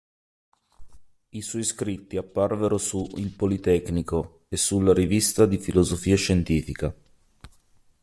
I suoi scritti apparvero su "Il Politecnico" e sulla "Rivista di filosofia scientifica".